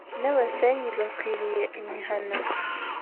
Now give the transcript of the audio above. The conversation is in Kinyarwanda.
n’abasenyi bakwiriye imihana ,